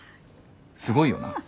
すごいよな。